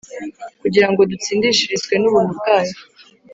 kugira ngo dutsindishirizwe n'ubuntu bwayo,